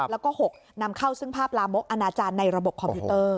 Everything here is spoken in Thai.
แล้วก็๖นำเข้าซึ่งภาพลามกอนาจารย์ในระบบคอมพิวเตอร์